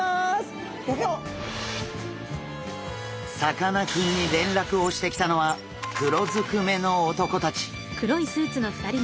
さかなクンに連絡をしてきたのは黒ずくめの男たち。